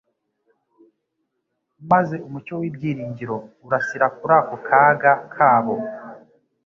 maze umucyo w'ibyiringiro urasira kuri ako kaga kabo.